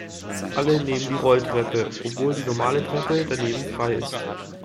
Alle nehmen die Rolltreppe, obwohl die normale Treppe daneben frei ist.